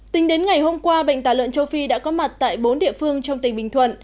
tính đến ngày hôm qua bệnh tả lợn châu phi đã có mặt tại bốn địa phương trong tỉnh bình thuận